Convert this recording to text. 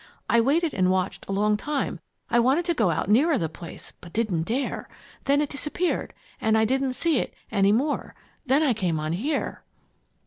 I waited and watched a long time I wanted to go out nearer the place but didn't dare. Then it disappeared and I didn't see it any more. Then I came on here."